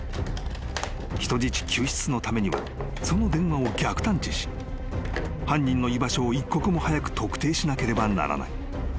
［人質救出のためにはその電話を逆探知し犯人の居場所を一刻も早く特定しなければならない］